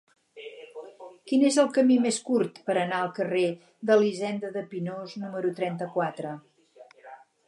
Quin és el camí més curt per anar al carrer d'Elisenda de Pinós número trenta-quatre?